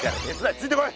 ついてこい！